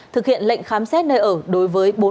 thực hiện lệnh khám xét nơi ở đối với bốn bị can nói trên